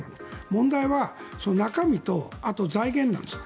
問題は中身とあと財源なんです。